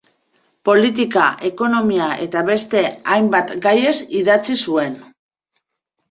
Politika, ekonomia eta beste hainbat gaiez idatzi zuen.